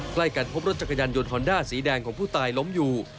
ใกล้กันพบรถจักรยานยนต์ฮอนด้าสีแดงของผู้ตายล้มอยู่